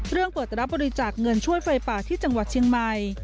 เปิดรับบริจาคเงินช่วยไฟป่าที่จังหวัดเชียงใหม่